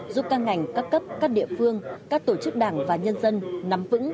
giúp các ngành các cấp các địa phương các tổ chức đảng và nhân dân nắm vững